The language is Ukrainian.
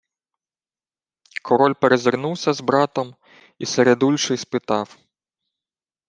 Король перезирнувся з братом, і середульший спитав: